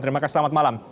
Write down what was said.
terima kasih selamat malam